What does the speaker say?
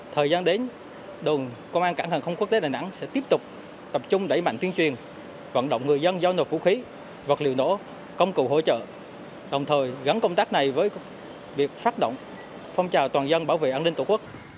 từ đầu năm hai nghìn hai mươi bốn đến nay đồn công an cảng hàng không quốc tế đà nẵng sẽ tiếp tục tập trung đẩy mạnh tuyên truyền vận động người dân giao nộp vũ khí vật liệu nổ công cụ hỗ trợ đồng thời gắn công tác này với việc phát động phong trào toàn dân bảo vệ an ninh tổ quốc